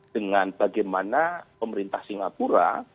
dengan bagaimana pemerintah singapura